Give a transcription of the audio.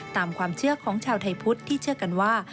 ตามความเชื่อของชาวไทยพุทธที่เชื่อกันว่า